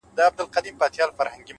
د موخې ځواک ستړیا شاته پرېږدي.!